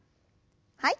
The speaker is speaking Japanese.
はい。